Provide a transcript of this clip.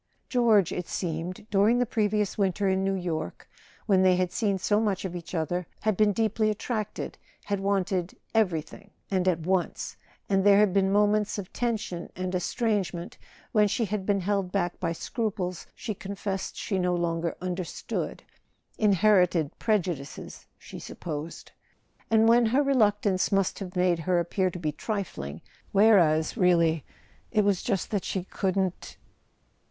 George, it seemed, during the previous winter in New York, when they had seen so much of each other, had been deeply attracted, had wanted "everything," and at once—and there had been moments of tension and estrangement, when she had been held back by scruples she confessed she no longer understood (in¬ herited prejudices, she supposed), and when her re¬ luctance must have made her appear to be trifling, whereas, really it was just that she couldn't.